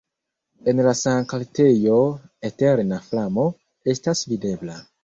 En la sankltejo eterna flamo estas videbla.